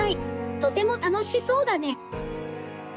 とても楽しそうだね。